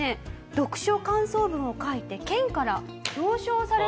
読書感想文を書いて県から表彰されたり。